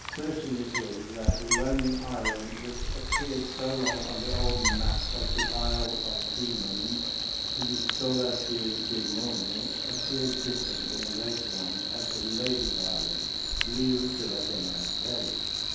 Certain it is that the lonely island which appeared so long on the old maps as the Isle of Demons (l'Isola de Demoni) appears differently in later ones as the Lady's Island (l'Isle de la Demoiselle).